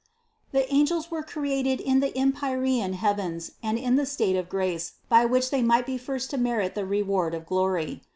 83. The angels were created in the empyrean heavens and in the state of grace by which they might be first to merit the reward of glory.